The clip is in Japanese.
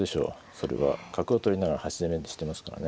それは角を取りながら端攻めにしてますからね。